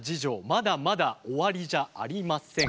まだまだ終わりじゃありません。